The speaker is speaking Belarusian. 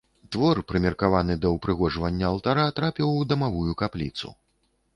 Твор, прымеркаваны да ўпрыгожвання алтара, трапіў у дамавую капліцу.